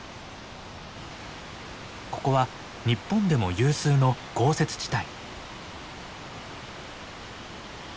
ここは日本でも有数の豪雪地帯。